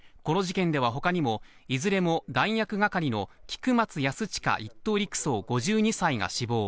この事件では他にもいずれも弾薬係の菊松安親１等陸曹、５２歳が死亡。